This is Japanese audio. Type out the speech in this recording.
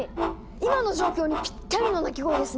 今の状況にぴったりの鳴き声ですね。